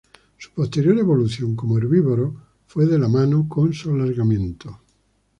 Su posterior evolución como herbívoros fue de la mano con su alargamiento.